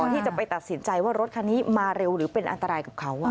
ที่จะไปตัดสินใจว่ารถคันนี้มาเร็วหรือเป็นอันตรายกับเขา